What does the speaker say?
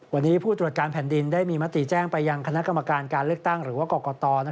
วันนี้ผู้ตรวจการแผ่นดินได้มีมติแจ้งไปยังคณะกรรมการการเลือกตั้งหรือว่ากรกต